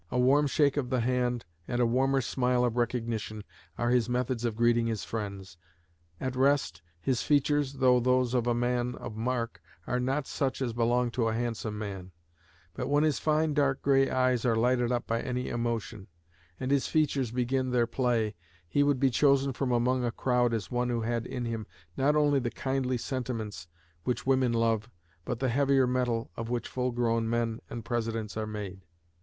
A warm shake of the hand and a warmer smile of recognition are his methods of greeting his friends. At rest, his features, though those of a man of mark, are not such as belong to a handsome man; but when his fine dark gray eyes are lighted up by any emotion, and his features begin their play, he would be chosen from among a crowd as one who had in him not only the kindly sentiments which women love but the heavier metal of which full grown men and Presidents are made.